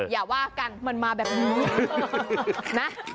อย่าว่ากันมันมาแบบนี้นะ